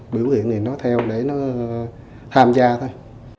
biểu hiện thì nó theo để nó tham gia thôi